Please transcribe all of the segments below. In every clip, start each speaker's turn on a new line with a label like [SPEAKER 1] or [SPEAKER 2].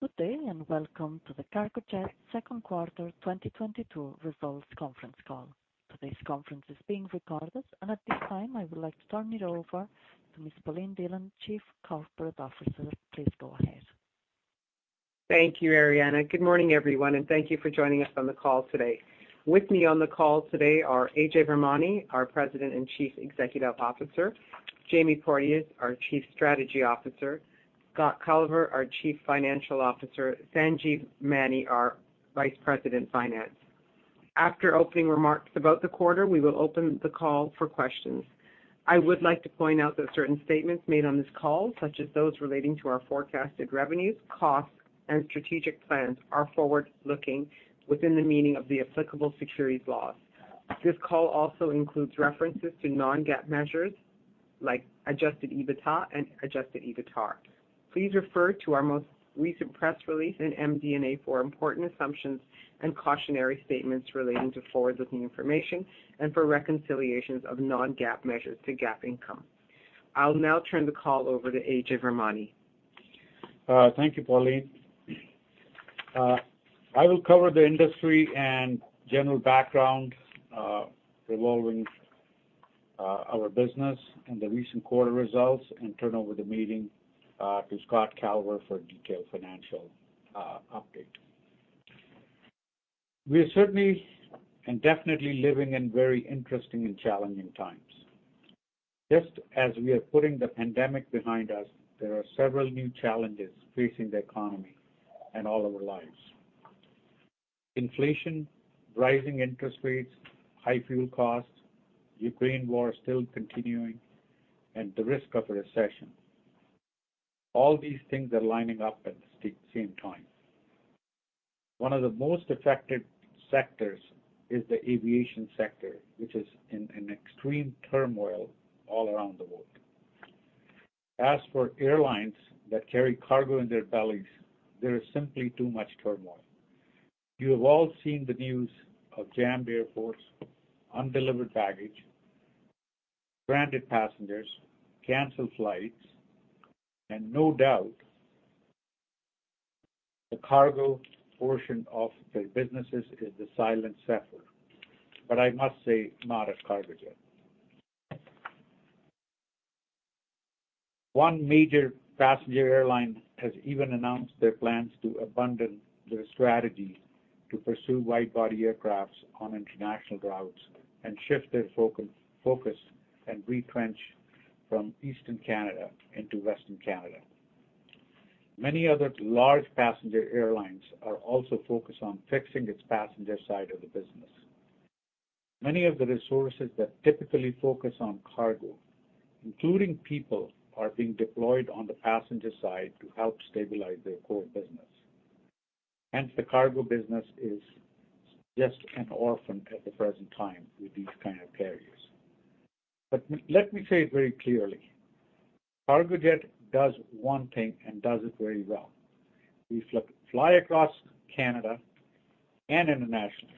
[SPEAKER 1] Good day, and welcome to the Cargojet Q2 2022 results conference call. Today's conference is being recorded, and at this time, I would like to turn it over to Miss Pauline Dhillon, Chief Corporate Officer. Please go ahead.
[SPEAKER 2] Thank you, Ariana. Good morning, everyone, and thank you for joining us on the call today. With me on the call today are Ajay Virmani, our President and Chief Executive Officer, Jamie Porteous, our Chief Strategy Officer, Scott Calver, our Chief Financial Officer, Sanjeev Maini, our Vice President, Finance. After opening remarks about the quarter, we will open the call for questions. I would like to point out that certain statements made on this call, such as those relating to our forecasted revenues, costs, and strategic plans, are forward-looking within the meaning of the applicable securities laws. This call also includes references to non-GAAP measures like adjusted EBITDA and adjusted EBITDAR. Please refer to our most recent press release in MD&A for important assumptions and cautionary statements relating to forward-looking information and for reconciliations of non-GAAP measures to GAAP income. I'll now turn the call over to Ajay Virmani.
[SPEAKER 3] Thank you, Pauline. I will cover the industry and general background, regarding our business and the recent quarter results and turn over the meeting to Scott Calver for a detailed financial update. We are certainly and definitely living in very interesting and challenging times. Just as we are putting the pandemic behind us, there are several new challenges facing the economy and all our lives. Inflation, rising interest rates, high fuel costs, Ukraine war still continuing, and the risk of a recession. All these things are lining up at the same time. One of the most affected sectors is the aviation sector, which is in an extreme turmoil all around the world. As for airlines that carry cargo in their bellies, there is simply too much turmoil. You have all seen the news of jammed airports, undelivered baggage, stranded passengers, canceled flights, and no doubt the cargo portion of their businesses is the silent sufferer, but I must say, not at Cargojet. One major passenger airline has even announced their plans to abandon their strategy to pursue wide-body aircraft on international routes and shift their focus and retrench from Eastern Canada into Western Canada. Many other large passenger airlines are also focused on fixing its passenger side of the business. Many of the resources that typically focus on cargo, including people, are being deployed on the passenger side to help stabilize their core business. Hence, the cargo business is just an orphan at the present time with these kind of carriers. Let me say it very clearly. Cargojet does one thing and does it very well. We fly across Canada and internationally.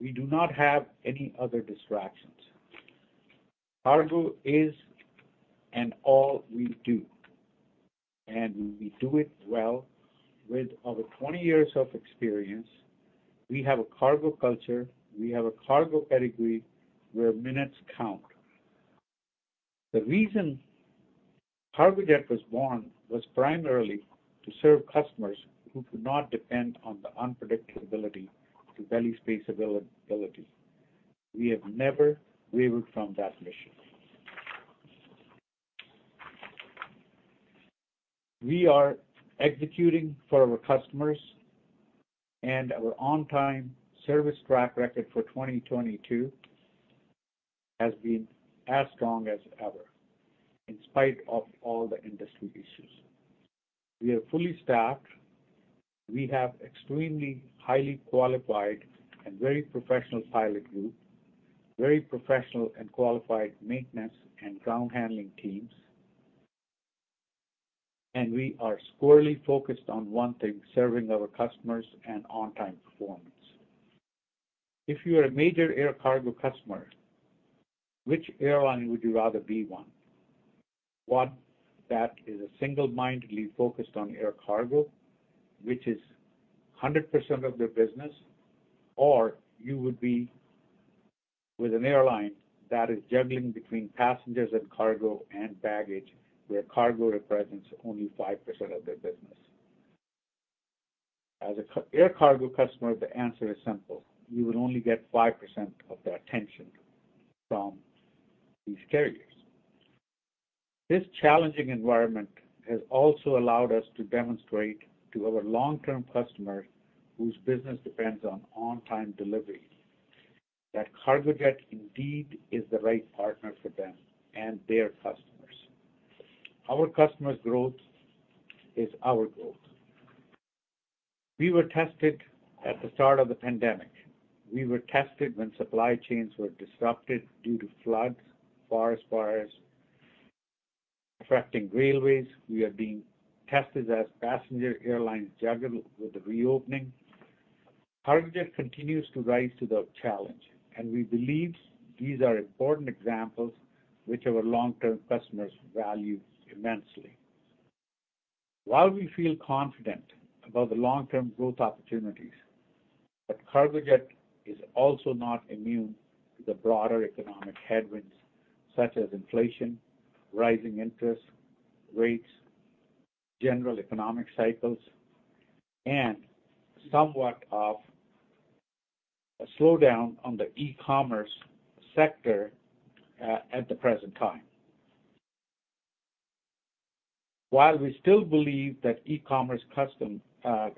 [SPEAKER 3] We do not have any other distractions. Cargo is and all we do, and we do it well. With over 20 years of experience, we have a cargo culture, we have a cargo pedigree where minutes count. The reason Cargojet was born was primarily to serve customers who could not depend on the unpredictability of belly space availability. We have never wavered from that mission. We are executing for our customers, and our on-time service track record for 2022 has been as strong as ever, in spite of all the industry issues. We are fully staffed. We have extremely highly qualified and very professional pilot group, very professional and qualified maintenance and ground handling teams. We are squarely focused on one thing, serving our customers and on-time performance. If you are a major air cargo customer, which airline would you rather be one? One that is single-mindedly focused on air cargo, which is 100% of their business, or you would be with an airline that is juggling between passengers and cargo and baggage, where cargo represents only 5% of their business. As an air cargo customer, the answer is simple. You will only get 5% of their attention from these carriers. This challenging environment has also allowed us to demonstrate to our long-term customers whose business depends on on-time delivery that Cargojet indeed is the right partner for them and their customers. Our customers' growth is our growth. We were tested at the start of the pandemic. We were tested when supply chains were disrupted due to floods, forest fires affecting railways. We are being tested as passenger airlines juggle with the reopening. Cargojet continues to rise to the challenge, and we believe these are important examples which our long-term customers value immensely. While we feel confident about the long-term growth opportunities, but Cargojet is also not immune to the broader economic headwinds such as inflation, rising interest rates, general economic cycles, and somewhat of a slowdown on the e-commerce sector, at the present time. While we still believe that e-commerce customers are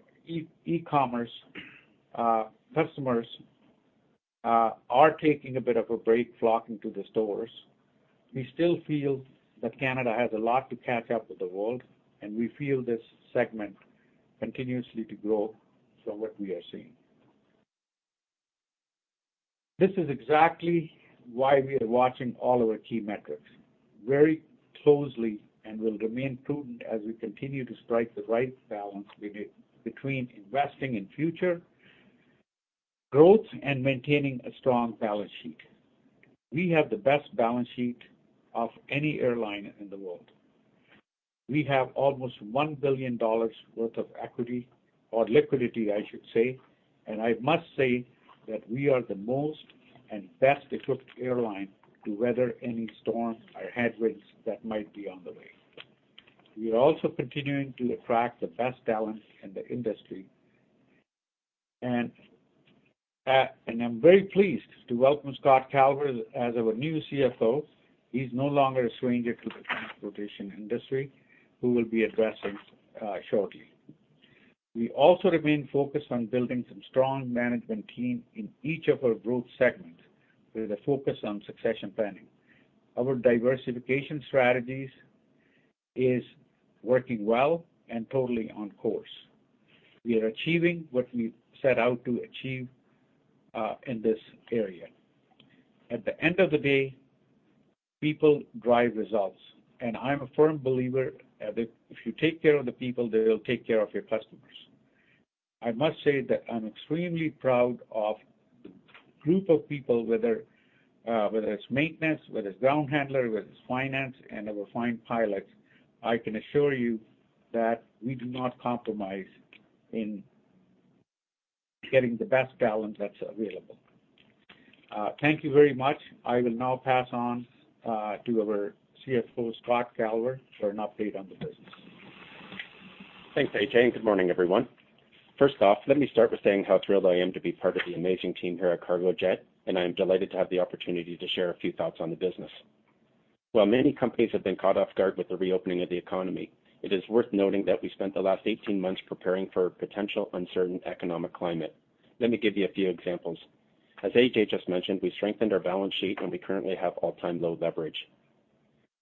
[SPEAKER 3] taking a bit of a break flocking to the stores, we still feel that Canada has a lot to catch up with the world, and we feel this segment continuously to grow from what we are seeing. This is exactly why we are watching all our key metrics very closely and will remain prudent as we continue to strike the right balance between investing in future growth and maintaining a strong balance sheet. We have the best balance sheet of any airline in the world. We have almost 1 billion dollars worth of equity or liquidity, I should say, and I must say that we are the most and best-equipped airline to weather any storm or headwinds that might be on the way. We are also continuing to attract the best talent in the industry, and I'm very pleased to welcome Scott Calver as our new CFO. He's no longer a stranger to the transportation industry, who will be addressing shortly. We also remain focused on building some strong management team in each of our growth segments with a focus on succession planning. Our diversification strategies is working well and totally on course. We are achieving what we set out to achieve in this area. At the end of the day, people drive results, and I'm a firm believer that if you take care of the people, they will take care of your customers. I must say that I'm extremely proud of the group of people, whether it's maintenance, whether it's ground handler, whether it's finance, and our fine pilots. I can assure you that we do not compromise in getting the best talent that's available. Thank you very much. I will now pass on to our CFO, Scott Calver, for an update on the business.
[SPEAKER 4] Thanks, Ajay. Good morning, everyone. First off, let me start with saying how thrilled I am to be part of the amazing team here at Cargojet, and I am delighted to have the opportunity to share a few thoughts on the business. While many companies have been caught off guard with the reopening of the economy, it is worth noting that we spent the last eighteen months preparing for potential uncertain economic climate. Let me give you a few examples. As Ajay just mentioned, we strengthened our balance sheet, and we currently have all-time low leverage.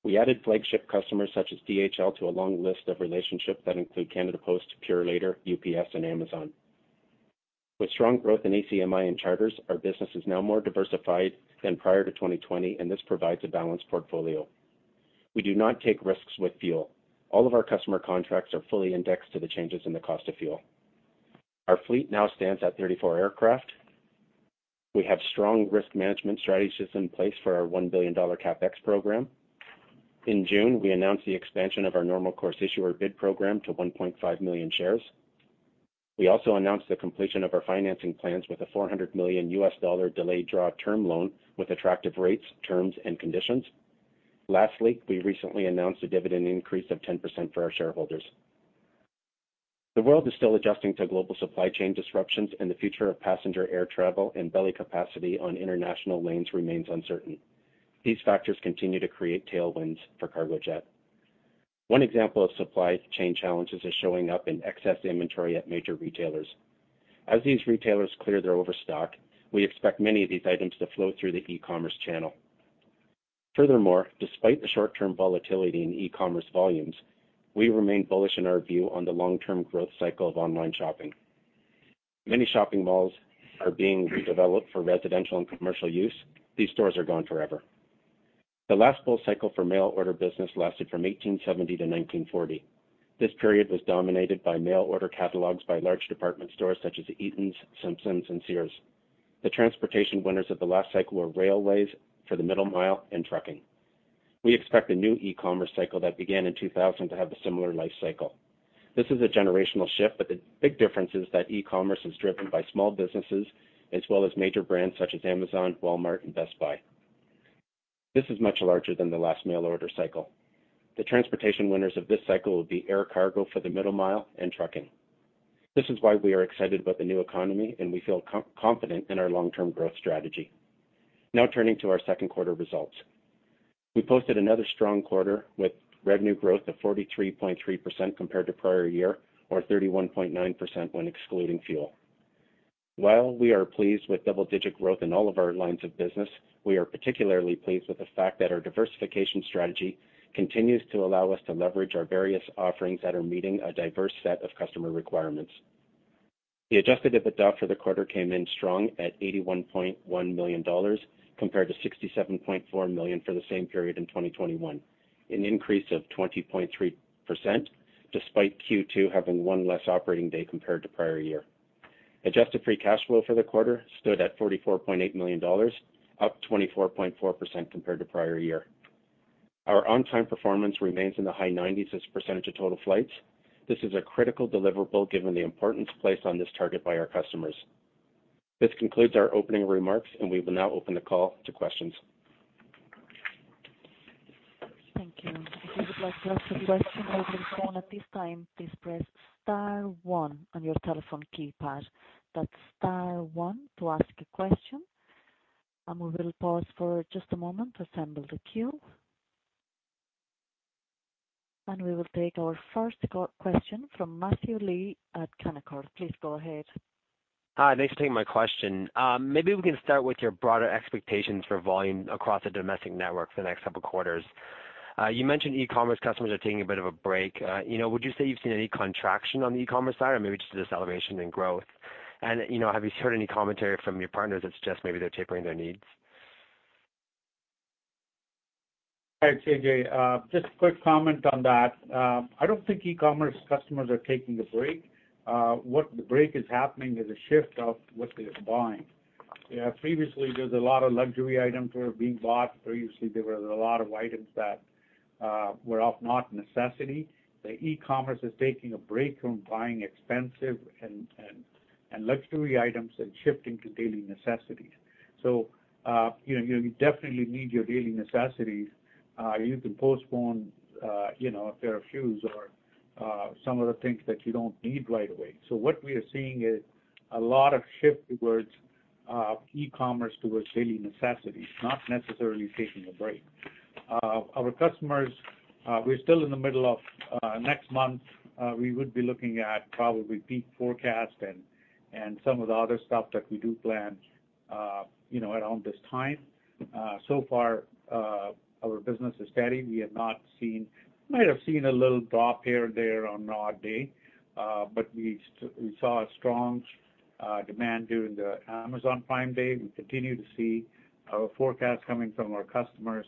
[SPEAKER 4] We added flagship customers such as DHL to a long list of relationships that include Canada Post, Purolator, UPS, and Amazon. With strong growth in ACMI and charters, our business is now more diversified than prior to 2020, and this provides a balanced portfolio. We do not take risks with fuel. All of our customer contracts are fully indexed to the changes in the cost of fuel. Our fleet now stands at 34 aircraft. We have strong risk management strategies in place for our 1 billion dollar CapEx program. In June, we announced the expansion of our normal course issuer bid program to 1.5 million shares. We also announced the completion of our financing plans with a $400 million delayed draw term loan with attractive rates, terms, and conditions. Lastly, we recently announced a dividend increase of 10% for our shareholders. The world is still adjusting to global supply chain disruptions, and the future of passenger air travel and belly capacity on international lanes remains uncertain. These factors continue to create tailwinds for Cargojet. One example of supply chain challenges is showing up in excess inventory at major retailers. As these retailers clear their overstock, we expect many of these items to flow through the e-commerce channel. Furthermore, despite the short-term volatility in e-commerce volumes, we remain bullish in our view on the long-term growth cycle of online shopping. Many shopping malls are being redeveloped for residential and commercial use. These stores are gone forever. The last bull cycle for mail order business lasted from 1870 to 1940. This period was dominated by mail order catalogs by large department stores such as Eaton's, Simpsons, and Sears. The transportation winners of the last cycle were railways for the middle mile and trucking. We expect the new e-commerce cycle that began in 2000 to have a similar life cycle. This is a generational shift, but the big difference is that e-commerce is driven by small businesses as well as major brands such as Amazon, Walmart, and Best Buy. This is much larger than the last mail order cycle. The transportation winners of this cycle will be air cargo for the middle mile and trucking. This is why we are excited about the new economy, and we feel confident in our long-term growth strategy. Now turning to our second quarter results. We posted another strong quarter with revenue growth of 43.3% compared to prior year or 31.9% when excluding fuel. While we are pleased with double-digit growth in all of our lines of business, we are particularly pleased with the fact that our diversification strategy continues to allow us to leverage our various offerings that are meeting a diverse set of customer requirements. The adjusted EBITDA for the quarter came in strong at 81.1 million dollars compared to 67.4 million for the same period in 2021. An increase of 20.3% despite Q2 having one less operating day compared to prior year. Adjusted free cash flow for the quarter stood at 44.8 million dollars, up 24.4% compared to prior year. Our on-time performance remains in the high 90s% of total flights. This is a critical deliverable given the importance placed on this target by our customers. This concludes our opening remarks, and we will now open the call to questions.
[SPEAKER 1] Thank you. If you would like to ask a question over the phone at this time, please press star one on your telephone keypad. That's star one to ask a question. We will pause for just a moment to assemble the queue. We will take our first question from Matthew Lee at Canaccord Genuity. Please go ahead.
[SPEAKER 5] Hi. Thanks for taking my question. Maybe we can start with your broader expectations for volume across the domestic network for the next couple quarters. You mentioned e-commerce customers are taking a bit of a break. You know, would you say you've seen any contraction on the e-commerce side or maybe just a deceleration in growth? You know, have you heard any commentary from your partners that suggest maybe they're tapering their needs?
[SPEAKER 3] Thanks, Just a quick comment on that. I don't think e-commerce customers are taking a break. What break is happening is a shift of what they're buying. Previously, there's a lot of luxury items were being bought. Previously, there were a lot of items that were of not necessity. The e-commerce is taking a break from buying expensive and luxury items and shifting to daily necessities. You know, you definitely need your daily necessities. You can postpone, you know, a pair of shoes or some of the things that you don't need right away. What we are seeing is a lot of shift towards e-commerce towards daily necessities, not necessarily taking a break. Next month, we would be looking at probably peak forecast and some of the other stuff that we do plan, you know, around this time. So far, our business is steady. We might have seen a little drop here or there on an odd day, but we saw a strong demand during the Amazon Prime Day. We continue to see our forecasts coming from our customers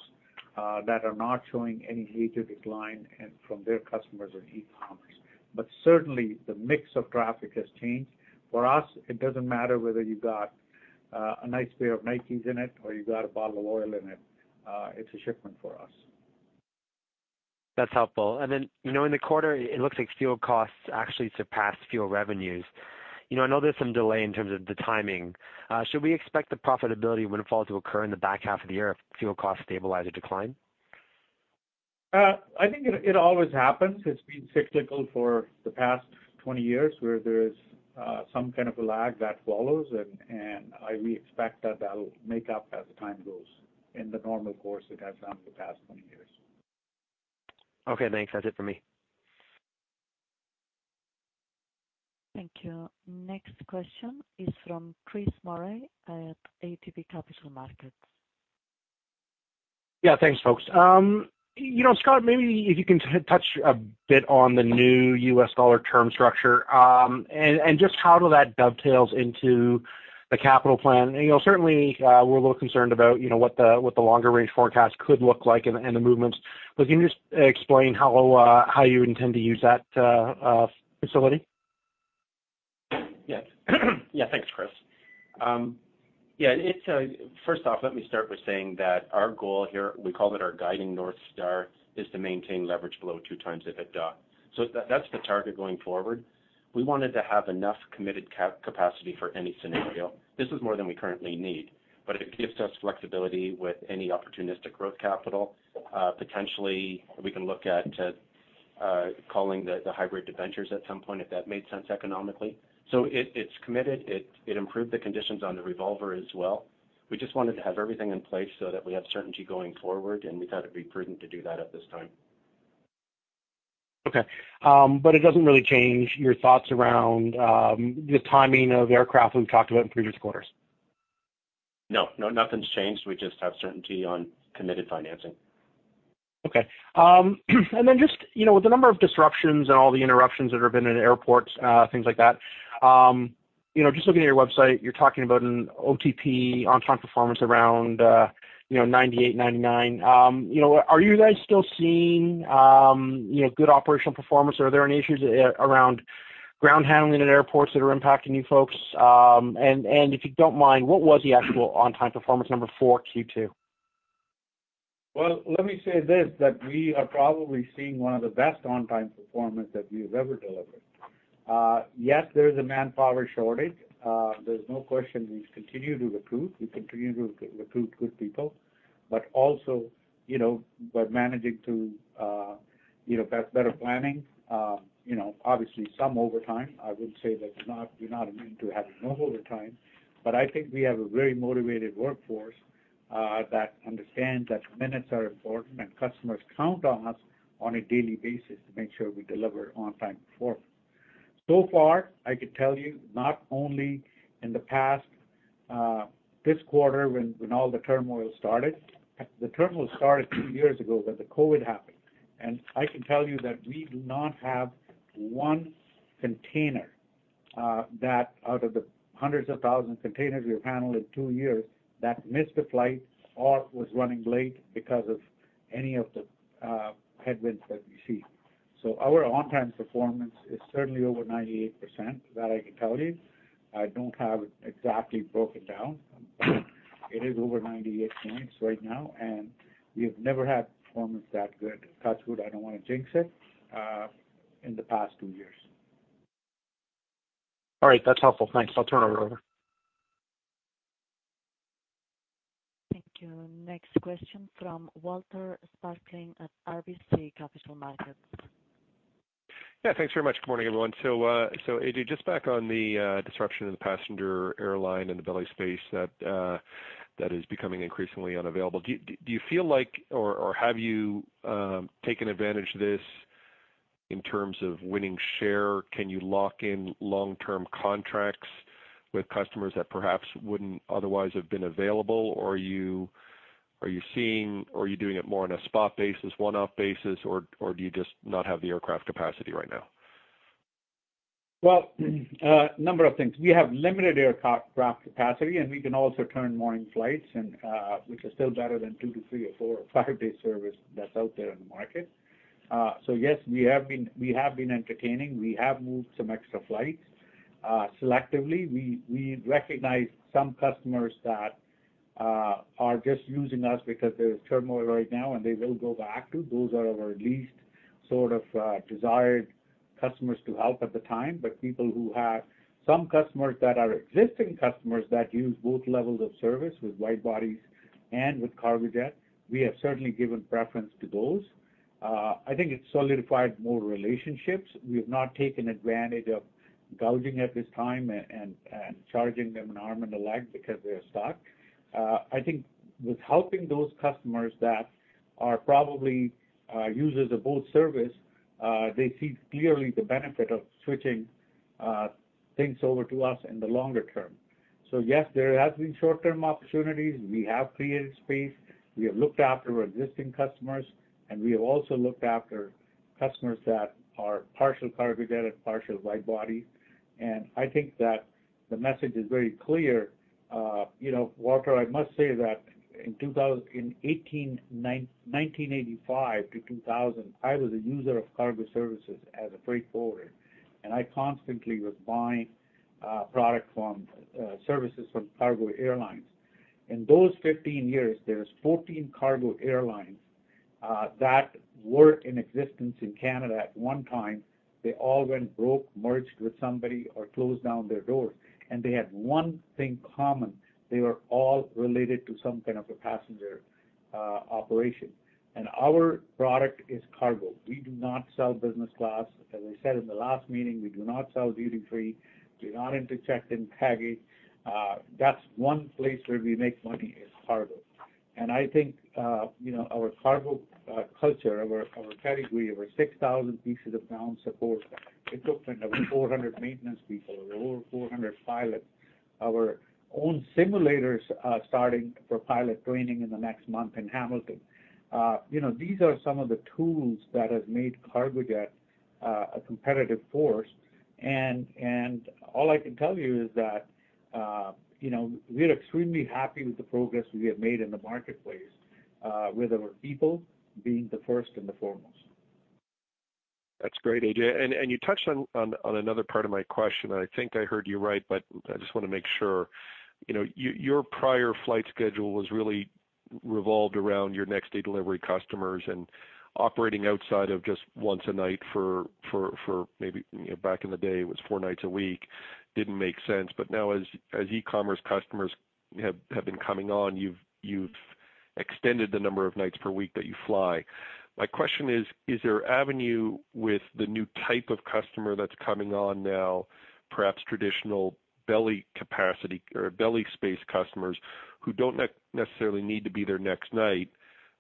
[SPEAKER 3] that are not showing any major decline and from their customers on e-commerce. Certainly, the mix of traffic has changed. For us, it doesn't matter whether you got a nice pair of Nike in it or you got a bottle of oil in it's a shipment for us.
[SPEAKER 5] That's helpful. Then, you know, in the quarter, it looks like fuel costs actually surpassed fuel revenues. You know, I know there's some delay in terms of the timing. Should we expect the profitability windfall to occur in the back half of the year if fuel costs stabilize or decline?
[SPEAKER 3] I think it always happens. It's been cyclical for the past 20 years, where there is some kind of a lag that follows, and we expect that that'll make up as time goes on in the normal course it has done for the past 20 years.
[SPEAKER 5] Okay, thanks. That's it for me.
[SPEAKER 1] Thank you. Next question is from Chris Murray at ATB Capital Markets.
[SPEAKER 6] Yeah. Thanks, folks. You know, Scott, maybe if you can touch a bit on the new US dollar term structure, and just how that dovetails into the capital plan. You know, certainly, we're a little concerned about, you know, what the longer range forecast could look like and the movements. Can you just explain how you intend to use that facility?
[SPEAKER 3] Yes. Yeah, thanks, Chris. First off, let me start by saying that our goal here, we call it our guiding North Star, is to maintain leverage below 2x EBITDA. That's the target going forward. We wanted to have enough committed capacity for any scenario. This is more than we currently need, but it gives us flexibility with any opportunistic growth capital. Potentially, we can look at calling the hybrid debentures at some point if that made sense economically. It's committed. It improved the conditions on the revolver as well. We just wanted to have everything in place so that we have certainty going forward, and we thought it'd be prudent to do that at this time.
[SPEAKER 6] Okay. It doesn't really change your thoughts around the timing of aircraft we've talked about in previous quarters?
[SPEAKER 3] No, nothing's changed. We just have certainty on committed financing.
[SPEAKER 6] Okay. Just, you know, with the number of disruptions and all the interruptions that have been in airports, things like that, you know, just looking at your website, you're talking about an OTP, on time performance, around, you know, 98-99. You know, are you guys still seeing, you know, good operational performance, or are there any issues around ground handling at airports that are impacting you folks? If you don't mind, what was the actual on time performance number for Q2?
[SPEAKER 3] Well, let me say this, that we are probably seeing one of the best on time performance that we have ever delivered. Yes, there is a manpower shortage. There's no question we continue to recruit. We continue to recruit good people, but also, you know, we're managing through, you know, better planning, you know, obviously some overtime. I wouldn't say that's not, we're not immune to having no overtime. But I think we have a very motivated workforce, that understands that minutes are important and customers count on us on a daily basis to make sure we deliver on time performance. So far, I can tell you, not only in the past, this quarter when all the turmoil started. The turmoil started two years ago when the COVID happened, and I can tell you that we do not have one container, that out of the hundreds of thousand containers we have handled in two years that missed the flight or was running late because of any of the headwinds that we see. Our on-time performance is certainly over 98% that I can tell you. I don't have it exactly broken down. It is over 98 points right now, and we have never had performance that good. Touch wood, I don't want to jinx it, in the past two years.
[SPEAKER 6] All right, that's helpful. Thanks. I'll turn it over.
[SPEAKER 1] Thank you. Next question from Walter Spracklin at RBC Capital Markets.
[SPEAKER 7] Yeah, thanks very much. Good morning, everyone. Ajay, just back on the disruption in the passenger airline and the belly space that is becoming increasingly unavailable. Do you feel like or have you taken advantage of this in terms of winning share? Can you lock in long-term contracts with customers that perhaps wouldn't otherwise have been available? Or are you seeing or are you doing it more on a spot basis, one-off basis, or do you just not have the aircraft capacity right now?
[SPEAKER 3] Well, number of things. We have limited aircraft capacity, and we can also turn around morning flights and, which is still better than two-, three-, four-, or five-day service that's out there in the market. Yes, we have been entertaining. We have moved some extra flights. Selectively, we recognize some customers that are just using us because there's turmoil right now, and they will go back to. Those are our least sort of desired customers to help at the time. Some customers that are existing customers that use both levels of service with wide-bodies and with Cargojet, we have certainly given preference to those. I think it's solidified more relationships. We have not taken advantage of gouging at this time and charging them an arm and a leg because they're stuck. I think with helping those customers that are probably, users of both service, they see clearly the benefit of switching, things over to us in the longer term. Yes, there has been short-term opportunities. We have created space. We have looked after our existing customers, and we have also looked after customers that are partial Cargojet and partial wide-body. I think that the message is very clear. You know, Walter, I must say that from 1995 to 2010, I was a user of cargo services as a freight forwarder, and I constantly was buying products and services from cargo airlines. In those 15 years, there's 14 cargo airlines that were in existence in Canada at one time. They all went broke, merged with somebody, or closed down their doors, and they had one thing in common. They were all related to some kind of a passenger operation. Our product is cargo. We do not sell business class. As I said in the last meeting, we do not sell duty-free. We're not into checked-in baggage. That's one place where we make money is cargo. I think, you know, our cargo culture, our category, our 6,000 pieces of ground support equipment, our 400 maintenance people, our over 400 pilots, our own simulators are starting for pilot training in the next month in Hamilton. You know, these are some of the tools that has made Cargojet a competitive force. All I can tell you is that, you know, we're extremely happy with the progress we have made in the marketplace, with our people being the first and the foremost.
[SPEAKER 7] That's great, Ajay. You touched on another part of my question, and I think I heard you right, but I just want to make sure. You know, your prior flight schedule was really revolved around your next day delivery customers and operating outside of just once a night for maybe, you know, back in the day, it was four nights a week, didn't make sense. Now as e-commerce customers have been coming on, you've extended the number of nights per week that you fly. My question is there avenue with the new type of customer that's coming on now, perhaps traditional belly capacity or belly space customers who don't necessarily need to be there next night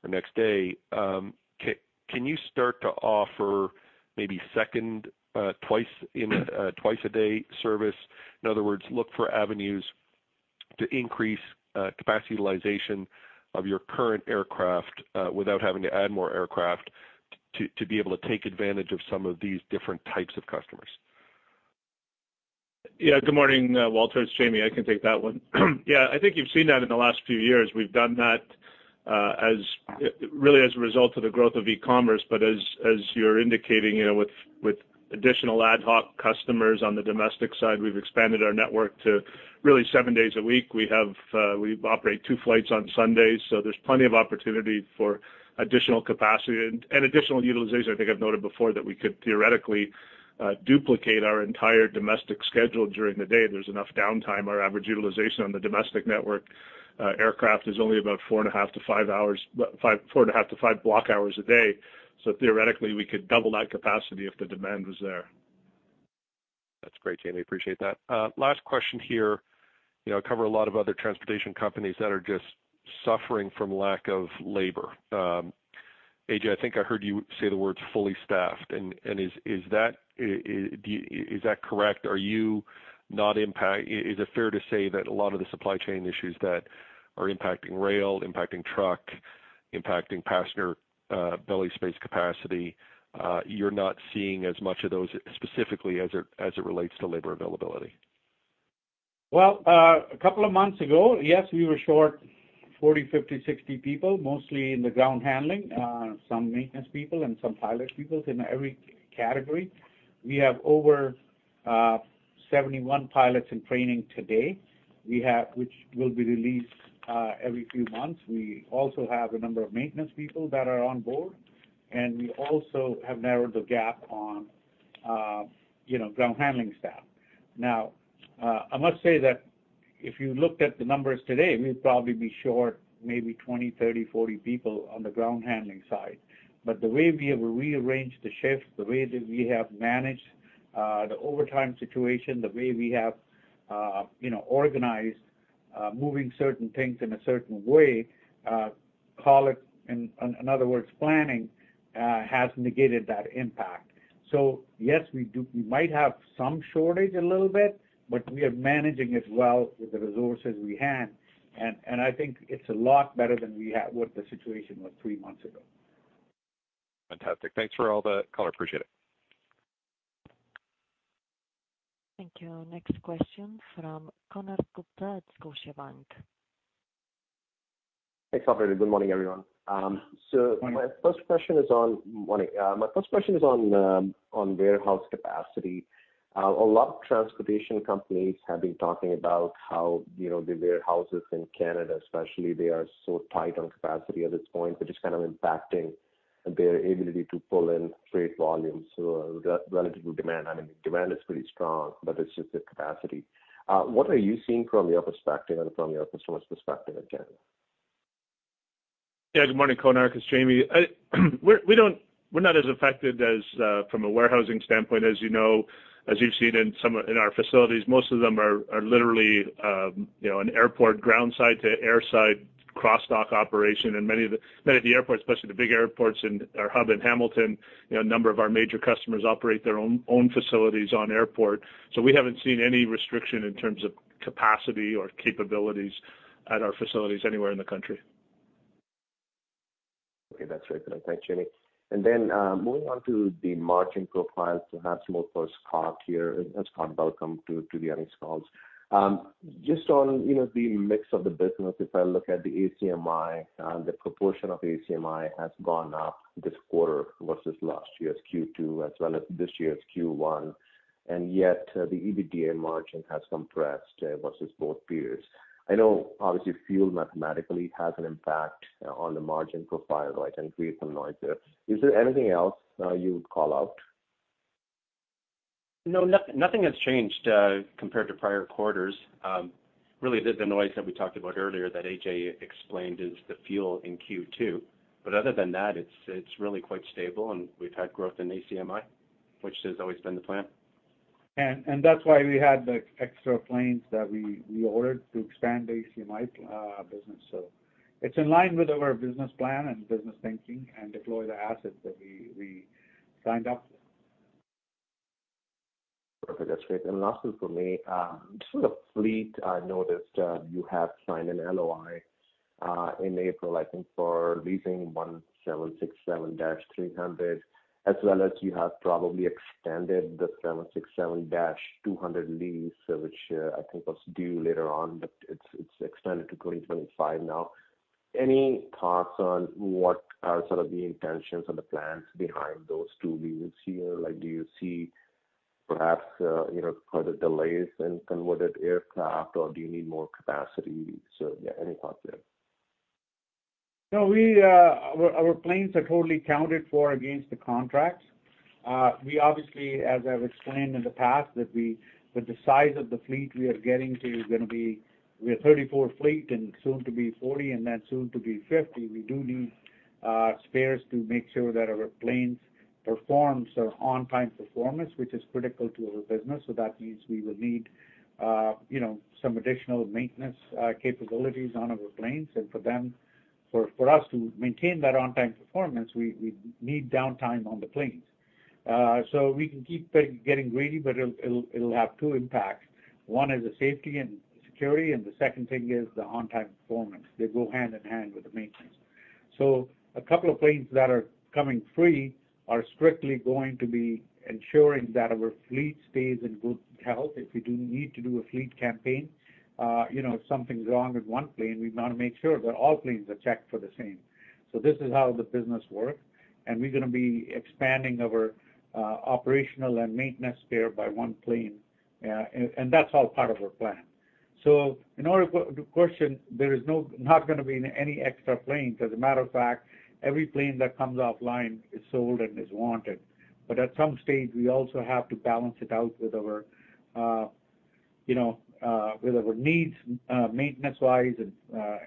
[SPEAKER 7] or next day, can you start to offer maybe second, twice-a-day service? In other words, look for avenues to increase capacity utilization of your current aircraft without having to add more aircraft to be able to take advantage of some of these different types of customers.
[SPEAKER 8] Good morning, Walter. It's Jamie. I can take that one. I think you've seen that in the last few years. We've done that as really as a result of the growth of e-commerce. As you're indicating, you know, with additional ad hoc customers on the domestic side, we've expanded our network to really seven days a week. We have we operate two flights on Sundays, so there's plenty of opportunity for additional capacity and additional utilization. I think I've noted before that we could theoretically duplicate our entire domestic schedule during the day. There's enough downtime. Our average utilization on the domestic network aircraft is only about 4.5-5 hours, 4.5-5 block hours a day. Theoretically, we could double that capacity if the demand was there.
[SPEAKER 7] That's great, Jamie. Appreciate that. Last question here. You know, I cover a lot of other transportation companies that are just suffering from lack of labor. Ajay, I think I heard you say the words fully staffed. Is that correct? Are you not impacted? Is it fair to say that a lot of the supply chain issues that are impacting rail, impacting truck, impacting passenger belly space capacity, you're not seeing as much of those specifically as it relates to labor availability?
[SPEAKER 3] Well, a couple of months ago, yes, we were short 40, 50, 60 people, mostly in the ground handling, some maintenance people and some pilot peoples in every category. We have over 71 pilots in training today, which will be released every few months. We also have a number of maintenance people that are on board, and we also have narrowed the gap on, you know, ground handling staff. Now, I must say that if you looked at the numbers today, we'd probably be short maybe 20, 30, 40 people on the ground handling side. The way we have rearranged the shifts, the way that we have managed the overtime situation, the way we have, you know, organized moving certain things in a certain way, call it, in other words, planning, has negated that impact. Yes, we do—we might have some shortage a little bit, but we are managing it well with the resources we have. I think it's a lot better than we had—what the situation was three months ago.
[SPEAKER 7] Fantastic. Thanks for all the color. Appreciate it.
[SPEAKER 1] Thank you. Next question from Konark Gupta at Scotiabank.
[SPEAKER 9] Thanks, operator. Good morning, everyone.
[SPEAKER 3] Morning.
[SPEAKER 9] My first question is on warehouse capacity. A lot of transportation companies have been talking about how, you know, the warehouses in Canada especially, they are so tight on capacity at this point, which is kind of impacting their ability to pull in freight volumes. Relative to demand, I mean, demand is pretty strong, but it's just the capacity. What are you seeing from your perspective and from your customers' perspective in Canada?
[SPEAKER 8] Yeah. Good morning, Konark. It's Jamie. We're not as affected as from a warehousing standpoint. As you know, as you've seen in our facilities, most of them are literally, you know, an airport ground side to air side cross-dock operation. Many of the airports, especially the big airports in our hub in Hamilton, you know, a number of our major customers operate their own facilities on airport. We haven't seen any restriction in terms of capacity or capabilities at our facilities anywhere in the country.
[SPEAKER 9] Okay. That's very clear. Thanks, Jamie. Moving on to the margin profile to ask more for Scott here. Scott, welcome to the earnings calls. Just on, you know, the mix of the business, if I look at the ACMI, the proportion of ACMI has gone up this quarter versus last year's Q2, as well as this year's Q1, and yet the EBITDA margin has compressed versus both periods. I know obviously fuel, mathematically, has an impact on the margin profile, right, and create some noise there. Is there anything else you would call out?
[SPEAKER 4] No. Nothing has changed compared to prior quarters. Really the noise that we talked about earlier that Ajay explained is the fuel in Q2. Other than that, it's really quite stable, and we've had growth in ACMI, which has always been the plan.
[SPEAKER 3] That's why we had the extra planes that we ordered to expand the ACMI business. It's in line with our business plan and business thinking and deploy the assets that we signed up.
[SPEAKER 9] Perfect. That's great. Lastly for me, just on the fleet, I noticed you have signed an LOI in April, I think, for leasing 767-300, as well as you have probably extended the 767-200 lease, which I think was due later on. It's extended to 2025 now. Any thoughts on what are sort of the intentions or the plans behind those two leases here? Like, do you see perhaps you know, further delays in converted aircraft, or do you need more capacity? Yeah, any thoughts there?
[SPEAKER 3] No, our planes are totally accounted for against the contracts. We obviously, as I've explained in the past, with the size of the fleet we are getting to is gonna be, we're 34 fleet and soon to be 40 and then soon to be 50. We do need spares to make sure that our planes perform, so on-time performance, which is critical to our business. That means we will need, you know, some additional maintenance capabilities on our planes. For us to maintain that on-time performance, we need downtime on the planes. We can keep getting greedy, but it'll have two impacts. One is the safety and security, and the second thing is the on-time performance. They go hand in hand with the maintenance. A couple of planes that are coming free are strictly going to be ensuring that our fleet stays in good health. If we do need to do a fleet campaign, you know, if something's wrong with one plane, we wanna make sure that all planes are checked for the same. This is how the business works, and we're gonna be expanding our operational and maintenance spare by one plane. And that's all part of our plan. Not gonna be any extra planes. As a matter of fact, every plane that comes offline is sold and is wanted. But at some stage, we also have to balance it out with our you know with our needs maintenance-wise and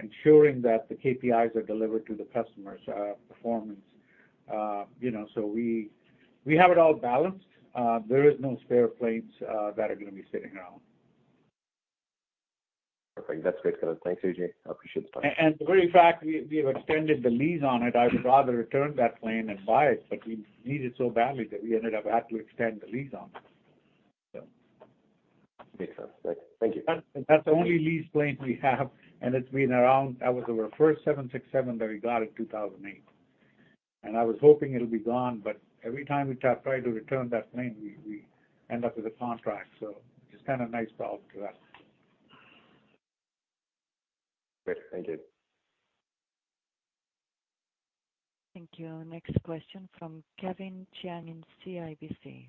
[SPEAKER 3] ensuring that the KPIs are delivered to the customers performance. You know, we have it all balanced. There is no spare planes that are gonna be sitting around.
[SPEAKER 9] Perfect. That's great, Konark. Thanks, Ajay. I appreciate the time.
[SPEAKER 3] The very fact we have extended the lease on it, I would rather return that plane and buy it, but we need it so badly that we ended up had to extend the lease on it.
[SPEAKER 9] Makes sense. Thank you.
[SPEAKER 3] That's the only leased plane we have, and it's been around. That was our first 767 that we got in 2008. I was hoping it'll be gone, but every time we try to return that plane, we end up with a contract. It's kind of nice to have for us.
[SPEAKER 9] Great. Thank you.
[SPEAKER 1] Thank you. Next question from Kevin Chiang in CIBC.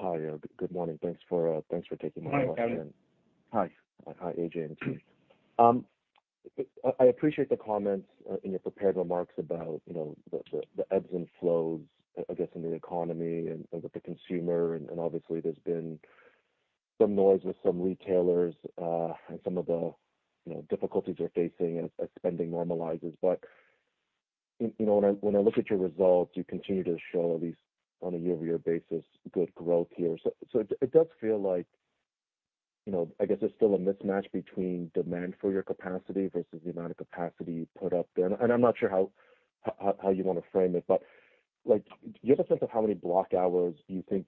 [SPEAKER 10] Hi. Good morning. Thanks for taking my call.
[SPEAKER 3] Hi, Kevin. Hi.
[SPEAKER 10] Hi, Ajay. I appreciate the comments in your prepared remarks about, you know, the ebbs and flows, I guess, in the economy and with the consumer, and obviously there's been some noise with some retailers, and some of the, you know, difficulties you're facing as spending normalizes. You know, when I look at your results, you continue to show at least on a year-over-year basis, good growth here. It does feel like, you know, I guess there's still a mismatch between demand for your capacity versus the amount of capacity you put up there. I'm not sure how you want to frame it, but, like, do you have a sense of how many block hours you think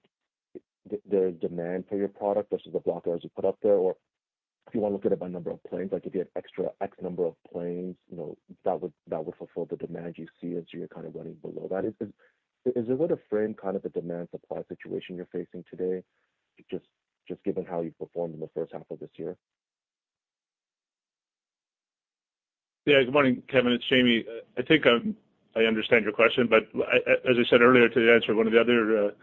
[SPEAKER 10] there's demand for your product versus the block hours you put up there? If you want to look at it by number of planes, like if you had extra X number of planes, you know, that would fulfill the demand you see as you're kind of running below that. Is there a way to frame kind of the demand supply situation you're facing today, just given how you've performed in the first half of this year?
[SPEAKER 8] Yeah. Good morning, Kevin. It's Jamie. I think I understand your question, but as I said earlier to the answer of one of the other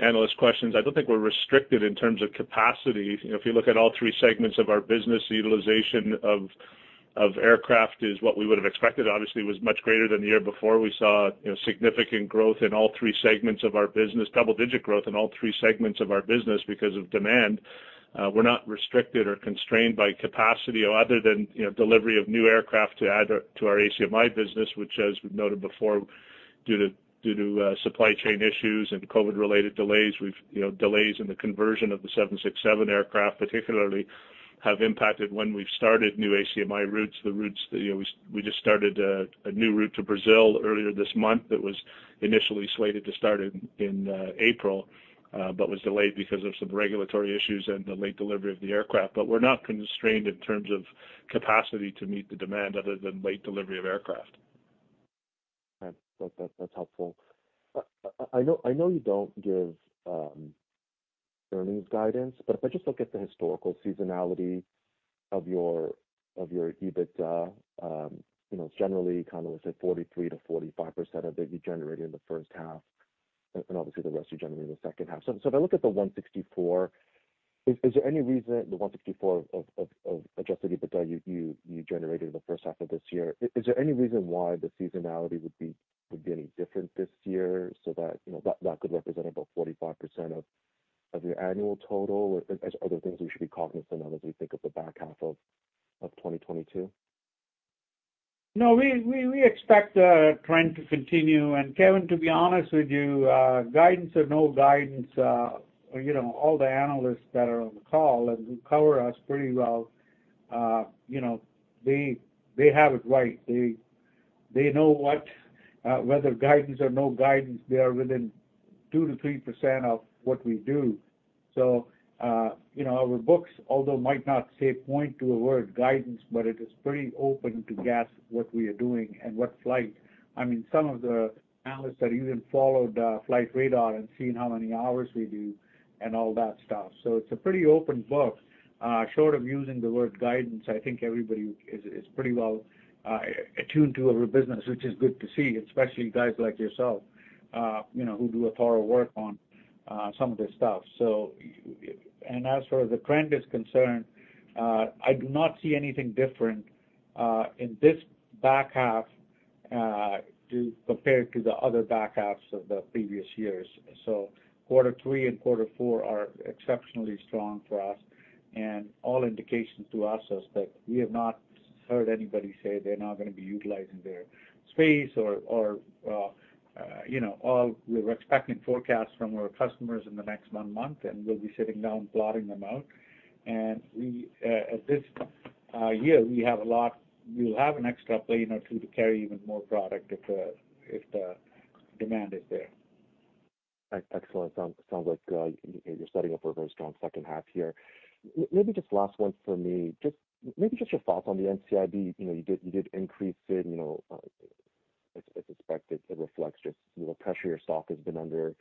[SPEAKER 8] analyst questions, I don't think we're restricted in terms of capacity. You know, if you look at all three segments of our business, the utilization of aircraft is what we would have expected. Obviously, it was much greater than the year before. We saw, you know, significant growth in all three segments of our business, double digit growth in all three segments of our business because of demand. We're not restricted or constrained by capacity other than, you know, delivery of new aircraft to add to our ACMI business, which as we've noted before, due to supply chain issues and COVID-related delays in the conversion of the 767 aircraft particularly have impacted when we've started new ACMI routes. The routes that, you know, we just started, a new route to Brazil earlier this month that was initially slated to start in April, but was delayed because of some regulatory issues and the late delivery of the aircraft. We're not constrained in terms of capacity to meet the demand other than late delivery of aircraft.
[SPEAKER 10] That's helpful. I know you don't give earnings guidance, but if I just look at the historical seasonality of your EBITDA, you know, it's generally kind of, let's say 43%-45% of it you generate in the first half, and obviously the rest you generate in the second half. If I look at the 164, is there any reason the 164 of adjusted EBITDA you generated in the first half of this year. Is there any reason why the seasonality would be any different this year so that, you know, that could represent about 45% of your annual total? Or are there things we should be cognizant of as we think of the back half of 2022?
[SPEAKER 3] No, we expect trend to continue. Kevin, to be honest with you, guidance or no guidance, you know, all the analysts that are on the call and who cover us pretty well, you know, they have it right. They know what, whether guidance or no guidance, they are within 2%-3% of what we do. You know, our books, although might not say point to a word guidance, but it is pretty open to guess what we are doing and what flight. I mean, some of the analysts have even followed Flightradar24 and seen how many hours we do and all that stuff. It's a pretty open book, short of using the word guidance. I think everybody is pretty well attuned to our business, which is good to see, especially guys like yourself, you know, who do a thorough work on some of this stuff. As far as the trend is concerned, I do not see anything different in this back half compared to the other back halves of the previous years. Quarter three and quarter four are exceptionally strong for us. All indications to us is that we have not heard anybody say they're not gonna be utilizing their space or you know all we're expecting forecasts from our customers in the next one month, and we'll be sitting down plotting them out. We will have an extra plane or two to carry even more product if the demand is there.
[SPEAKER 10] Excellent. Sounds like you're setting up for a very strong second half here. Maybe just last one for me, just maybe just your thoughts on the NCIB. You know, you did increase it, you know, as expected, it reflects just the pressure your stock has been under,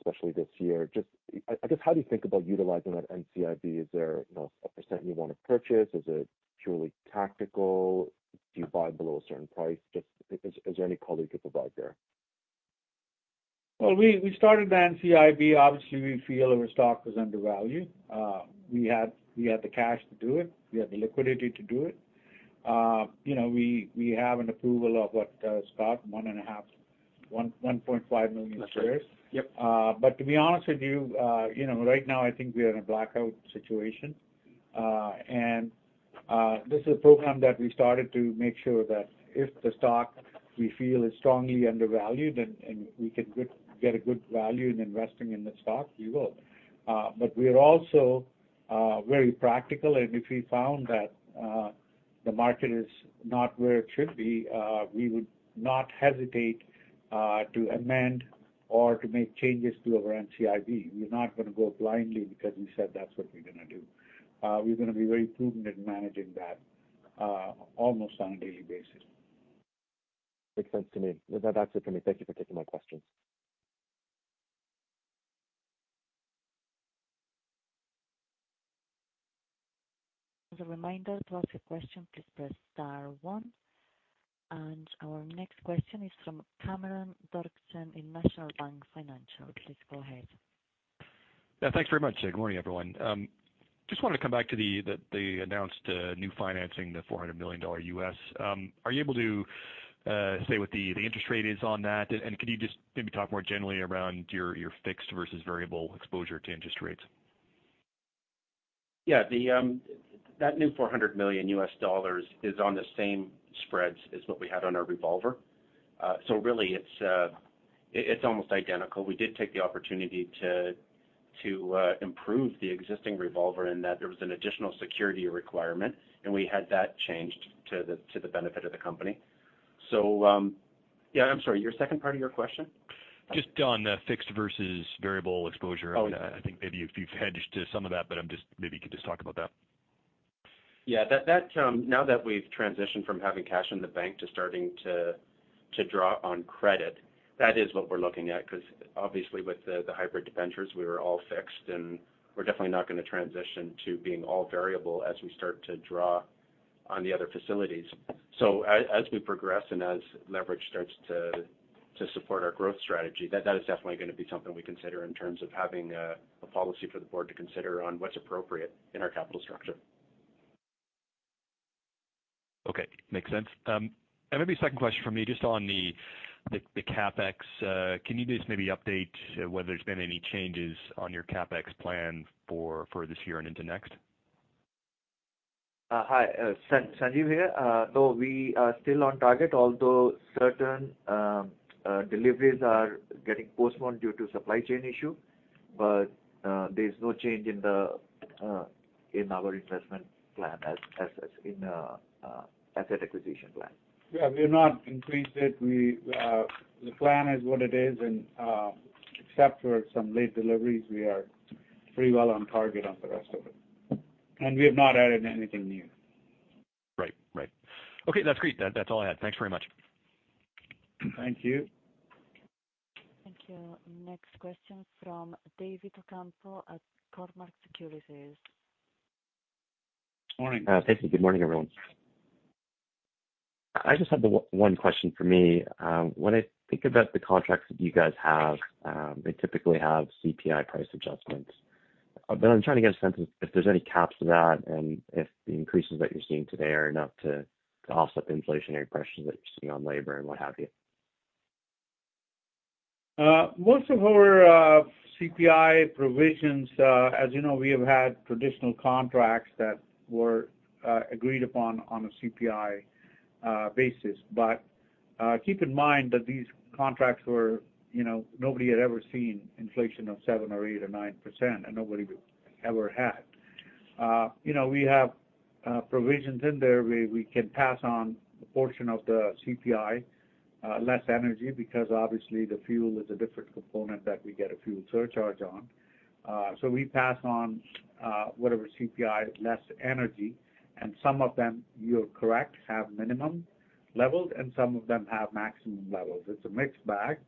[SPEAKER 10] especially this year. Just, I guess, how do you think about utilizing that NCIB? Is there, you know, a percent you want to purchase? Is it purely tactical? Do you buy below a certain price? Just, is there any color you could provide there?
[SPEAKER 3] Well, we started the NCIB. Obviously, we feel our stock was undervalued. We had the cash to do it. We had the liquidity to do it. You know, we have an approval of what, Scott, 1.5 million shares.
[SPEAKER 4] That's right. Yep.
[SPEAKER 3] To be honest with you know, right now, I think we are in a blackout situation. This is a program that we started to make sure that if the stock we feel is strongly undervalued and we can get a good value in investing in the stock, we will. We're also very practical, and if we found that the market is not where it should be, we would not hesitate to amend or to make changes to our NCIB. We're not gonna go blindly because we said that's what we're gonna do. We're gonna be very prudent in managing that almost on a daily basis. Makes sense to me. With that's it for me. Thank you for taking my questions.
[SPEAKER 1] As a reminder, to ask a question, please press star one. Our next question is from Cameron Doerksen in National Bank Financial. Please go ahead.
[SPEAKER 11] Yeah, thanks very much. Good morning, everyone. Just wanted to come back to the announced new financing, the $400 million. Are you able to say what the interest rate is on that? Could you just maybe talk more generally around your fixed versus variable exposure to interest rates?
[SPEAKER 4] Yeah. That new $400 million is on the same spreads as what we had on our revolver. Really, it's almost identical. We did take the opportunity to improve the existing revolver in that there was an additional security requirement, and we had that changed to the benefit of the company. Yeah. I'm sorry, your second part of your question?
[SPEAKER 11] Just on the fixed versus variable exposure.
[SPEAKER 4] Oh, yeah.
[SPEAKER 11] I think maybe if you've hedged to some of that, but I'm just maybe you could just talk about that.
[SPEAKER 4] Yeah. That now that we've transitioned from having cash in the bank to starting to draw on credit, that is what we're looking at. 'Cause obviously with the hybrid debentures, we were all fixed, and we're definitely not gonna transition to being all variable as we start to draw on the other facilities. As we progress and as leverage starts to support our growth strategy, that is definitely gonna be something we consider in terms of having a policy for the board to consider on what's appropriate in our capital structure.
[SPEAKER 11] Okay. Makes sense. Maybe a second question from me just on the CapEx. Can you just maybe update whether there's been any changes on your CapEx plan for this year and into next?
[SPEAKER 12] Hi, Sanjeev here. We are still on target, although certain deliveries are getting postponed due to supply chain issue. There's no change in our investment plan as in asset acquisition plan. Yeah. We have not increased it. We, the plan is what it is, and except for some late deliveries, we are pretty well on target on the rest of it. We have not added anything new.
[SPEAKER 11] Right. Okay, that's great. That's all I had. Thanks very much.
[SPEAKER 3] Thank you.
[SPEAKER 1] Thank you. Next question from David Ocampo at Cormark Securities.
[SPEAKER 3] Morning.
[SPEAKER 13] Thank you. Good morning, everyone. I just have the one question for me. When I think about the contracts that you guys have, they typically have CPI price adjustments. I'm trying to get a sense of if there's any caps to that and if the increases that you're seeing today are enough to offset the inflationary pressures that you're seeing on labor and what have you.
[SPEAKER 3] Most of our CPI provisions, as you know, we have had traditional contracts that were agreed upon on a CPI basis. Keep in mind that these contracts were, you know, nobody had ever seen inflation of 7% or 8% or 9%, and nobody ever had. We have provisions in there where we can pass on a portion of the CPI less energy, because obviously the fuel is a different component that we get a fuel surcharge on. We pass on whatever CPI less energy, and some of them, you're correct, have minimum levels, and some of them have maximum levels. It's a mixed bag.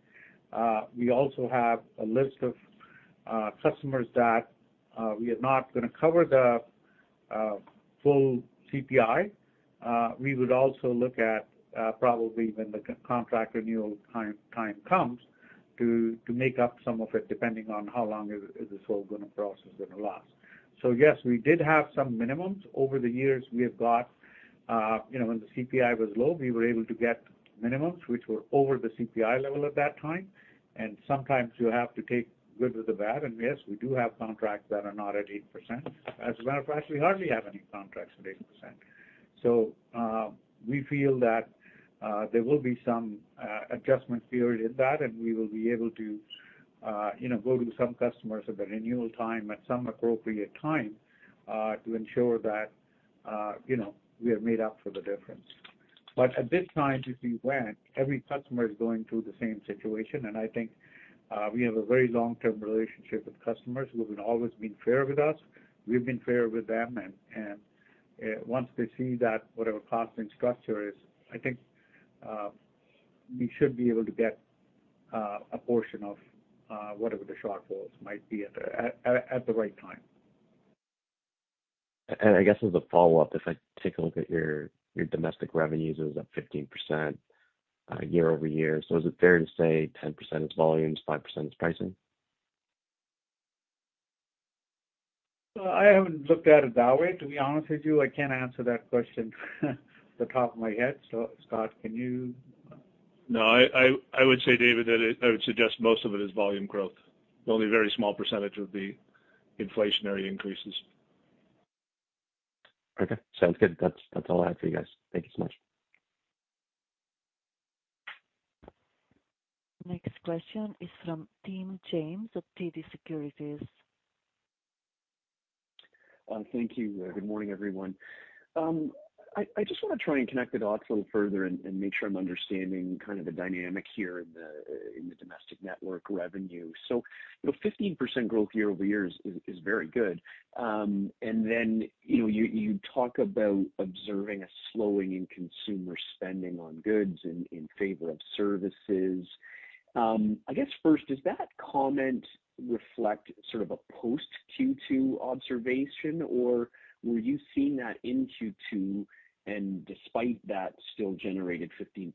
[SPEAKER 3] We also have a list of customers that we are not gonna cover the full CPI. We would also look at, probably when the contract renewal time comes, to make up some of it, depending on how long this whole process is gonna last. Yes, we did have some minimums. Over the years, we have got, you know, when the CPI was low, we were able to get minimums, which were over the CPI level at that time. Sometimes you have to take the good with the bad. Yes, we do have contracts that are not at 8%. As a matter of fact, we hardly have any contracts at 8%. We feel that there will be some adjustment period in that, and we will be able to, you know, go to some customers at the renewal time, at some appropriate time, to ensure that, you know, we are made up for the difference. But at this time, to be frank, every customer is going through the same situation. I think we have a very long-term relationship with customers who have always been fair with us. We've been fair with them. Once they see that whatever costing structure is, I think we should be able to get a portion of whatever the shortfall might be at the right time.
[SPEAKER 13] I guess as a follow-up, if I take a look at your domestic revenues, it was up 15% year-over-year. Is it fair to say 10% is volumes, 5% is pricing?
[SPEAKER 3] I haven't looked at it that way, to be honest with you. I can't answer that question off the top of my head. Scott, can you-
[SPEAKER 8] No, I would say, David, I would suggest most of it is volume growth. Only a very small percentage would be inflationary increases.
[SPEAKER 13] Okay. Sounds good. That's all I have for you guys. Thank you so much.
[SPEAKER 1] Next question is from Tim James of TD Securities.
[SPEAKER 14] Thank you. Good morning, everyone. I just wanna try and connect the dots a little further and make sure I'm understanding kind of the dynamic here in the domestic network revenue. You know, 15% growth year-over-year is very good. You know, you talk about observing a slowing in consumer spending on goods in favor of services. I guess first, does that comment reflect sort of a post-Q2 observation, or were you seeing that in Q2, and despite that, still generated 15%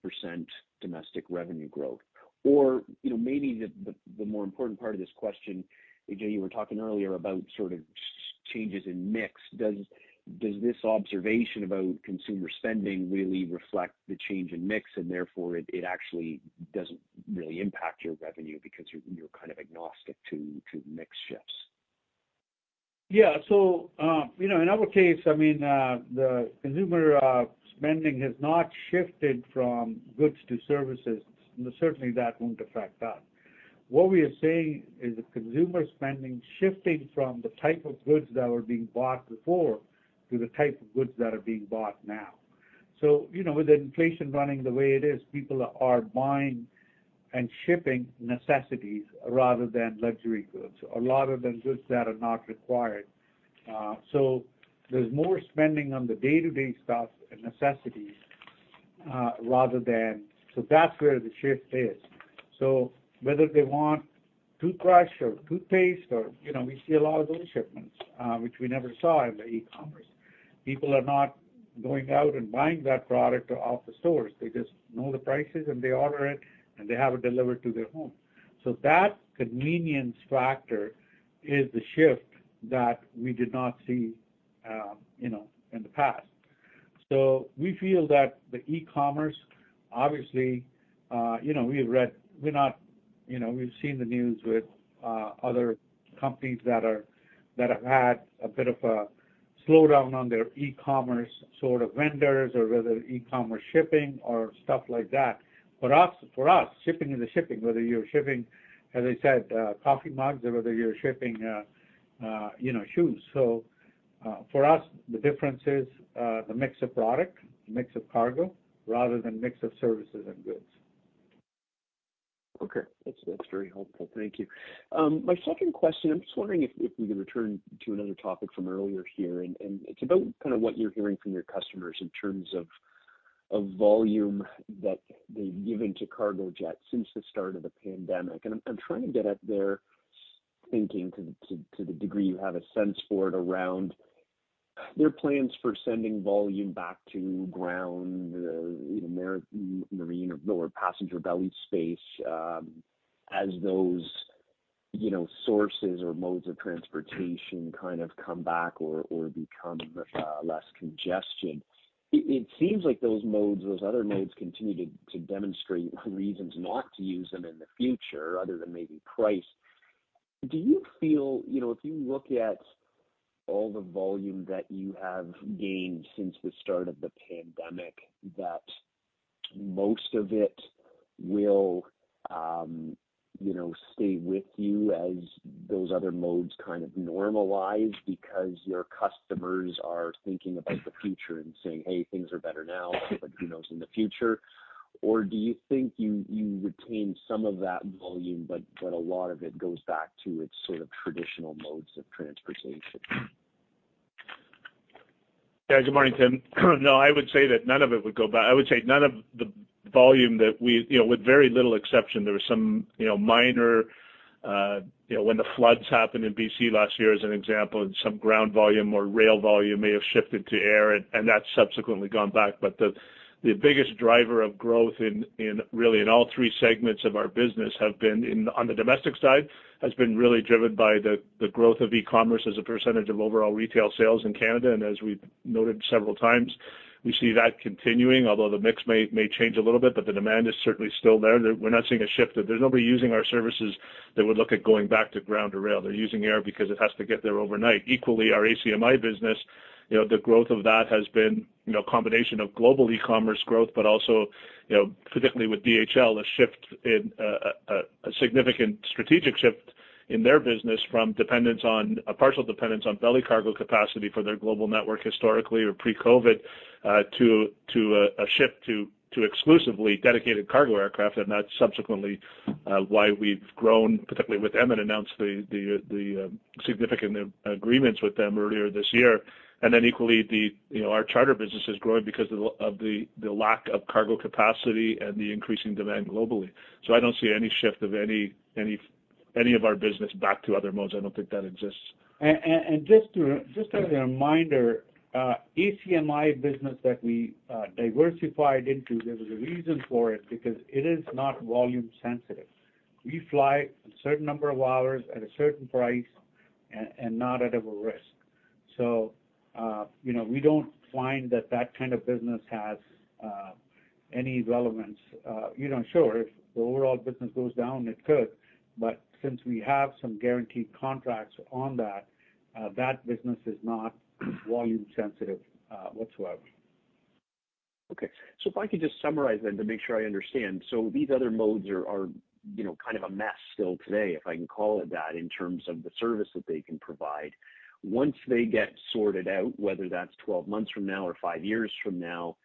[SPEAKER 14] domestic revenue growth? You know, maybe the more important part of this question, Ajay, you were talking earlier about sort of changes in mix. Does this observation about consumer spending really reflect the change in mix, and therefore it actually doesn't really impact your revenue because you're kind of agnostic to mix shifts?
[SPEAKER 3] Yeah. You know, in our case, I mean, the consumer spending has not shifted from goods to services, and certainly that won't affect us. What we are saying is the consumer spending shifting from the type of goods that were being bought before to the type of goods that are being bought now. You know, with inflation running the way it is, people are buying and shipping necessities rather than luxury goods, a lot of the goods that are not required. There's more spending on the day-to-day stuff and necessities, rather than. That's where the shift is. Whether they want toothbrush or toothpaste or, you know, we see a lot of those shipments, which we never saw in the e-commerce. People are not going out and buying that product off the stores. They just know the prices, and they order it, and they have it delivered to their home. That convenience factor is the shift that we did not see, you know, in the past. We feel that the e-commerce, obviously, you know, we're not, you know, we've seen the news with other companies that have had a bit of a slowdown on their e-commerce sort of vendors or whether e-commerce shipping or stuff like that. For us, shipping is shipping, whether you're shipping, as I said, coffee mugs or whether you're shipping, you know, shoes. For us, the difference is, the mix of product, the mix of cargo rather than mix of services and goods.
[SPEAKER 14] Okay. That's very helpful. Thank you. My second question, I'm just wondering if we could return to another topic from earlier here, and it's about kind of what you're hearing from your customers in terms of volume that they've given to Cargojet since the start of the pandemic. I'm trying to get at their thinking to the degree you have a sense for it around their plans for sending volume back to ground, you know, marine or passenger belly space, as those sources or modes of transportation kind of come back or become less congestion. It seems like those modes, those other modes continue to demonstrate reasons not to use them in the future other than maybe price. Do you feel, you know, if you look at all the volume that you have gained since the start of the pandemic, that most of it will, you know, stay with you as those other modes kind of normalize because your customers are thinking about the future and saying, "Hey, things are better now, but who knows in the future?" Or do you think you retain some of that volume but a lot of it goes back to its sort of traditional modes of transportation?
[SPEAKER 8] Yeah. Good morning, Tim. No, I would say that none of it would go back. I would say none of the volume that we. You know, with very little exception, there was some, you know, minor, you know, when the floods happened in BC last year as an example, and some ground volume or rail volume may have shifted to air and that's subsequently gone back. But the biggest driver of growth in really in all three segments of our business have been in on the domestic side, has been really driven by the growth of e-commerce as a percentage of overall retail sales in Canada. As we've noted several times, we see that continuing, although the mix may change a little bit, but the demand is certainly still there. We're not seeing a shift, that there's nobody using our services that would look at going back to ground or rail. They're using air because it has to get there overnight. Equally, our ACMI business, you know, the growth of that has been, you know, a combination of global e-commerce growth, but also, you know, particularly with DHL, a shift in a significant strategic shift in their business from a partial dependence on belly cargo capacity for their global network historically or pre-COVID to a shift to exclusively dedicated cargo aircraft. That's subsequently why we've grown, particularly with them and announced the significant agreements with them earlier this year. Equally, you know, our charter business is growing because of the lack of cargo capacity and the increasing demand globally. I don't see any shift of any of our business back to other modes. I don't think that exists.
[SPEAKER 3] Just as a reminder, ACMI business that we diversified into, there was a reason for it because it is not volume sensitive. We fly a certain number of hours at a certain price and not at a risk. You know, we don't find that kind of business has any relevance. You know, sure, if the overall business goes down, it could, but since we have some guaranteed contracts on that business is not volume sensitive whatsoever.
[SPEAKER 14] Okay. If I could just summarize then to make sure I understand. These other modes are, you know, kind of a mess still today, if I can call it that, in terms of the service that they can provide. Once they get sorted out, whether that's 12 months from now or five years from now,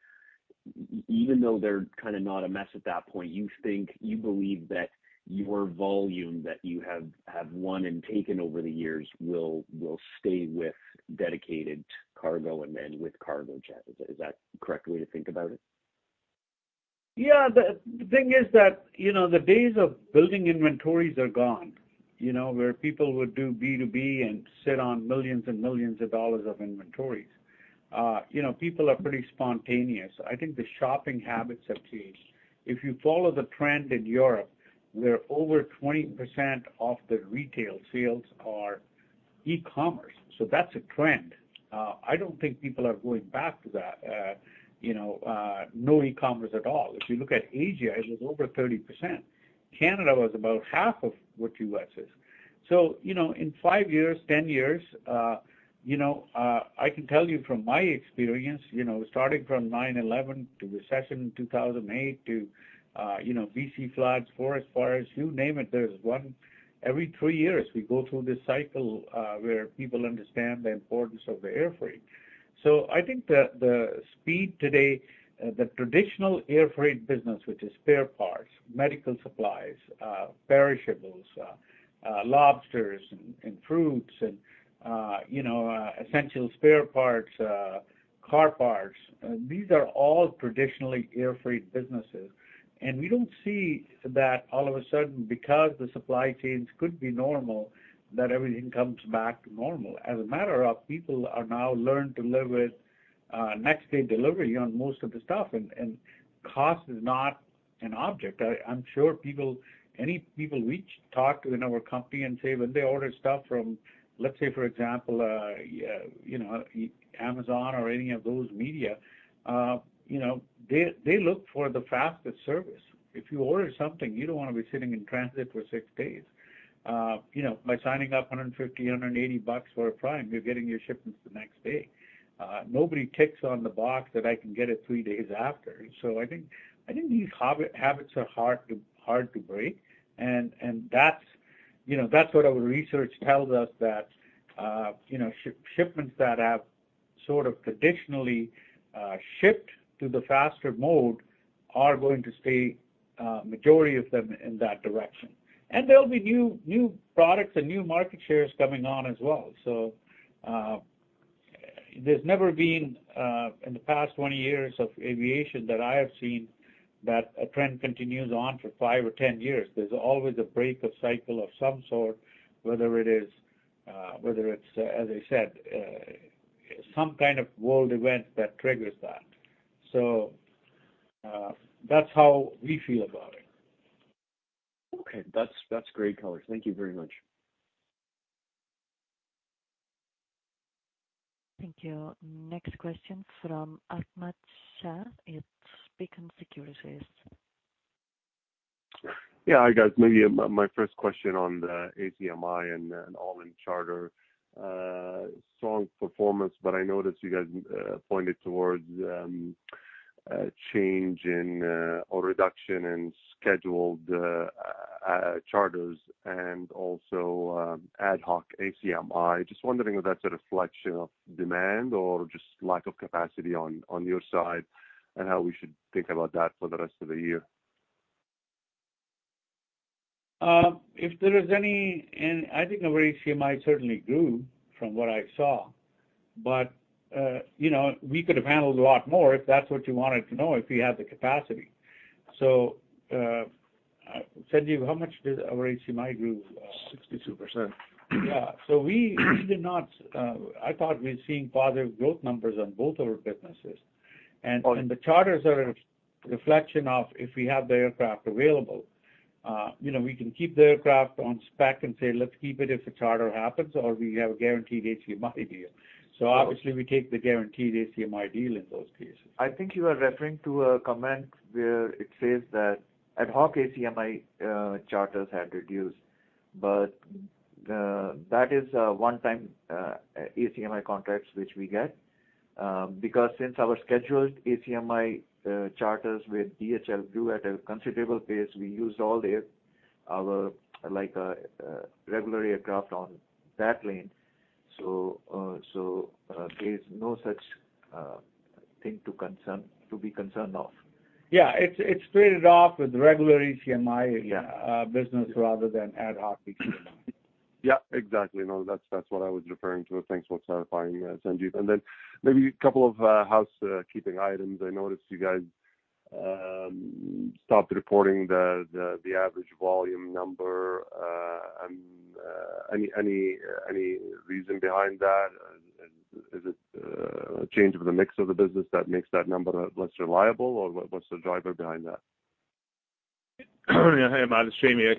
[SPEAKER 14] even though they're kinda not a mess at that point, you think you believe that your volume that you have won and taken over the years will stay with dedicated cargo and then with cargo jets? Is that a correct way to think about it?
[SPEAKER 3] Yeah. The thing is that, you know, the days of building inventories are gone, you know, where people would do B2B and sit on millions and millions of dollars of inventories. You know, people are pretty spontaneous. I think the shopping habits have changed. If you follow the trend in Europe, where over 20% of the retail sales are e-commerce, so that's a trend. I don't think people are going back to that, you know, no e-commerce at all. If you look at Asia, it was over 30%. Canada was about half of what U.S. is. So, you know, in five years, 10 years, you know, I can tell you from my experience, you know, starting from 9/11 to recession in 2008 to, you know, BC floods, forest fires, you name it, there's one. Every three years, we go through this cycle, where people understand the importance of the airfreight. I think the speed today, the traditional airfreight business, which is spare parts, medical supplies, perishables, lobsters and fruits and, you know, essential spare parts, car parts, these are all traditionally airfreight businesses. We don't see that all of a sudden because the supply chains could be normal, that everything comes back to normal. As a matter of, people are now learning to live with, next day delivery on most of the stuff, and cost is not an object. I'm sure any people we talk in our company and say when they order stuff from, let's say, for example, you know, Amazon or any of those media, you know, they look for the fastest service. If you order something, you don't wanna be sitting in transit for six days. You know, by signing up $150-$180 for a Prime, you're getting your shipments the next day. Nobody checks the box that I can get it three days after. I think these habits are hard to break. That's what our research tells us that you know, shipments that have sort of traditionally shipped in the faster mode are going to stay, majority of them in that direction. There'll be new products and new market shares coming on as well. There's never been in the past 20 years of aviation that I have seen that a trend continues on for five or 10 years. There's always a breakup cycle of some sort, whether it's, as I said, some kind of world event that triggers that. That's how we feel about it.
[SPEAKER 14] Okay. That's great color. Thank you very much.
[SPEAKER 1] Thank you. Next question from Ahmad Shaath at Beacon Securities.
[SPEAKER 15] Yeah. Hi, guys. Maybe my first question on the ACMI and all-in charter strong performance, but I noticed you guys pointed towards a change in or reduction in scheduled charters and also ad hoc ACMI. Just wondering if that's a reflection of demand or just lack of capacity on your side, and how we should think about that for the rest of the year.
[SPEAKER 3] I think our ACMI certainly grew from what I saw. You know, we could have handled a lot more, if that's what you wanted to know, if we had the capacity. Sanjeev, how much did our ACMI grew?
[SPEAKER 12] 62%.
[SPEAKER 3] Yeah. I thought we're seeing positive growth numbers on both of our businesses.
[SPEAKER 15] Okay.
[SPEAKER 3] The charters are a reflection of if we have the aircraft available. You know, we can keep the aircraft on spec and say, "Let's keep it if a charter happens," or we have a guaranteed ACMI deal. Obviously, we take the guaranteed ACMI deal in those cases.
[SPEAKER 12] I think you are referring to a comment where it says that ad hoc ACMI charters had reduced. That is a one-time ACMI contracts which we get. Because since our scheduled ACMI charters with DHL grew at a considerable pace, we used all our, like, regular aircraft on that lane. There is no such thing to be concerned of.
[SPEAKER 3] Yeah. It's traded off with regular ACMI business rather than ad hoc ACMI.
[SPEAKER 15] Yeah, exactly. No, that's what I was referring to. Thanks for clarifying, Sanjeev. Then maybe a couple of housekeeping items. I noticed you guys stopped reporting the average volume number. Any reason behind that? Is it a change of the mix of the business that makes that number less reliable, or what's the driver behind that?
[SPEAKER 8] Yeah. Hey, Ahmad, it's Jamie.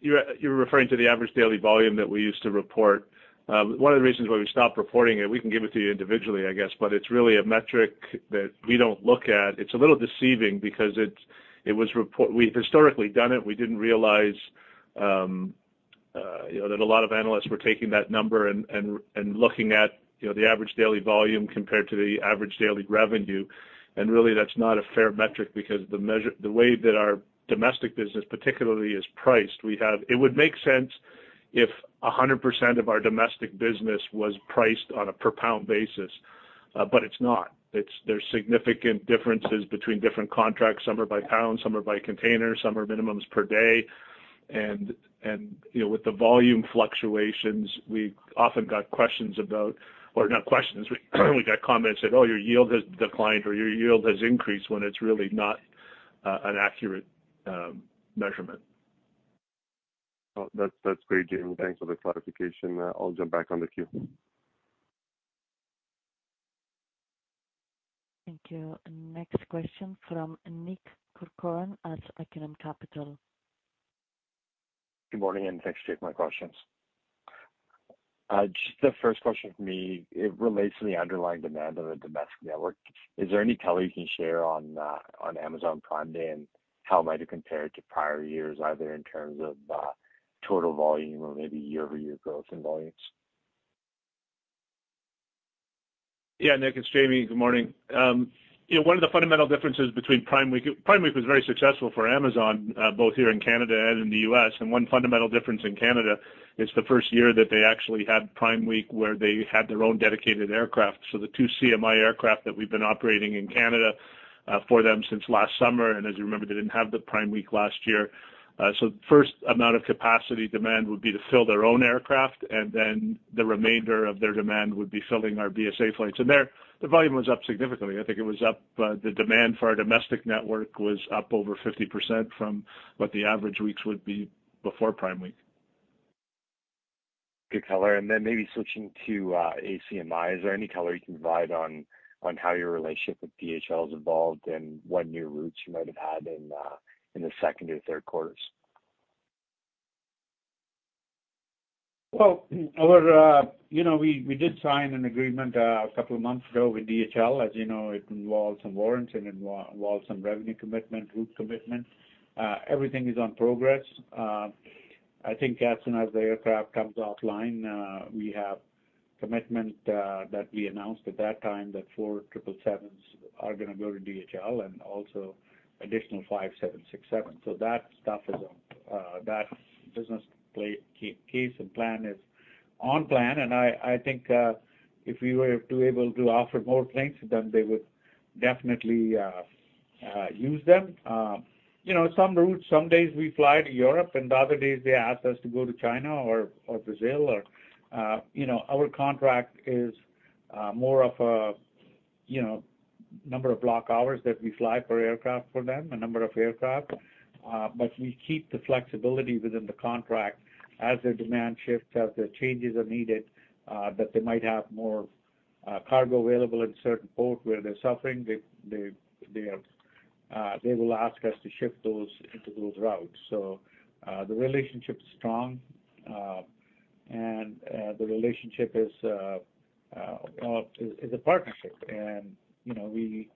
[SPEAKER 8] You're referring to the average daily volume that we used to report. One of the reasons why we stopped reporting it, we can give it to you individually, I guess, but it's really a metric that we don't look at. It's a little deceiving because it was. We've historically done it. We didn't realize, you know, that a lot of analysts were taking that number and looking at, you know, the average daily volume compared to the average daily revenue. Really, that's not a fair metric because the measure the way that our domestic business particularly is priced. It would make sense if 100% of our domestic business was priced on a per pound basis. But it's not. There's significant differences between different contracts. Some are by pound, some are by container, some are minimums per day. You know, with the volume fluctuations, we often got comments that, "Oh, your yield has declined or your yield has increased," when it's really not an accurate measurement.
[SPEAKER 15] Oh, that's great, Jamie. Thanks for the clarification. I'll jump back on the queue.
[SPEAKER 1] Thank you. Next question from Nick Corcoran at Acumen Capital.
[SPEAKER 16] Good morning, and thanks for taking my questions. Just the first question from me, it relates to the underlying demand of the domestic network. Is there any color you can share on Amazon Prime Day? And how might it compare to prior years, either in terms of, total volume or maybe year-over-year growth in volumes?
[SPEAKER 8] Yeah. Nick, it's Jamie. Good morning. You know, one of the fundamental differences between Prime Week. Prime Week was very successful for Amazon, both here in Canada and in the U.S. One fundamental difference in Canada is the first year that they actually had Prime Week where they had their own dedicated aircraft. The two CMI aircraft that we've been operating in Canada, for them since last summer, and as you remember, they didn't have the Prime Week last year. First amount of capacity demand would be to fill their own aircraft, and then the remainder of their demand would be filling our BSA flights. There, the volume was up significantly. I think it was up, the demand for our domestic network was up over 50% from what the average weeks would be before Prime Week.
[SPEAKER 16] Good color. Maybe switching to ACMI. Is there any color you can provide on how your relationship with DHL has evolved and what new routes you might have had in the second or third quarters?
[SPEAKER 3] You know, we did sign an agreement a couple of months ago with DHL. As you know, it involves some warrants and it involves some revenue commitment, route commitment. Everything is on progress. I think as soon as the aircraft comes offline, we have commitment that we announced at that time that four 777s are gonna go to DHL and also additional five 767s. That stuff is that business case and plan is on plan. I think if we were able to offer more planes to them, they would definitely use them. You know, some routes, some days we fly to Europe, and other days they ask us to go to China or Brazil or. You know, our contract is more of a number of block hours that we fly per aircraft for them, a number of aircraft. We keep the flexibility within the contract as their demand shifts, as their changes are needed, that they might have more cargo available in certain port where they're shipping. They will ask us to shift those into those routes. The relationship's strong. The relationship is a partnership. We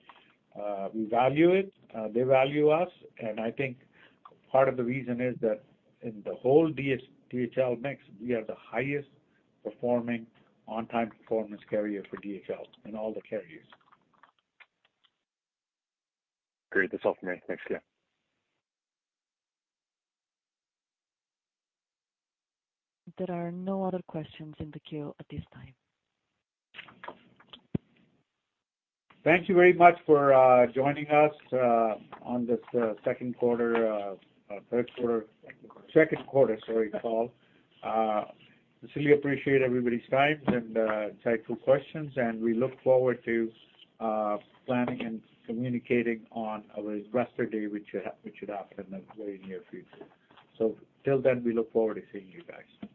[SPEAKER 3] value it, they value us. I think part of the reason is that in the whole DHL mix, we are the highest performing on-time performance carrier for DHL in all the carriers.
[SPEAKER 16] Great. That's all for me. Thanks. Yeah.
[SPEAKER 1] There are no other questions in the queue at this time.
[SPEAKER 3] Thank you very much for joining us on this second quarter call. Sorry, sincerely appreciate everybody's time and insightful questions, and we look forward to planning and communicating on our investor day, which should happen in the very near future. Till then, we look forward to seeing you guys.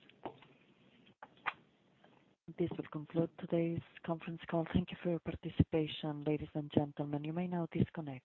[SPEAKER 1] This will conclude today's conference call. Thank you for your participation, ladies and gentlemen. You may now disconnect.